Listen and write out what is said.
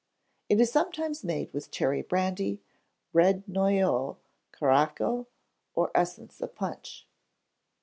It is sometimes made with cherry brandy, red noyeau, curaçao, or essence of punch.